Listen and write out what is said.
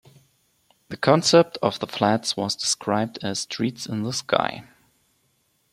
The concept of the flats was described as streets in the sky.